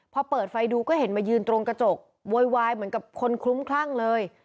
พอเปิดไฟดูก็เห็นมายืนตรงกระจกโวยวายเหมือนกับคนคลุ้มคลั่งเลย